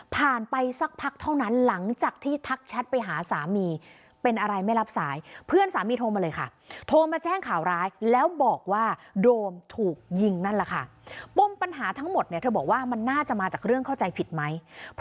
ผ่านไปสักพักเท่านั้นหลังจากที่ทักแชทไปหาสามี